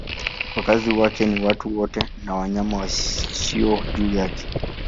Wakazi wake ni watu wote na wanyama waishio juu yake.